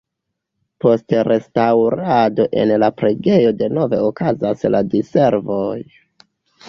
Post restaŭrado en la preĝejo denove okazas la di-servoj.